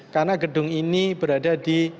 karena gedung ini berada di